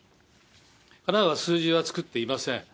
神奈川は数字は作っていません。